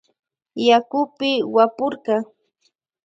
Yakupi wapurka.